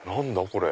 これ。